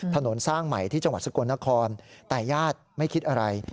ถนนสร้างใหม่ที่จังหวัดสกลนครแต่ญาติไม่คิดอะไร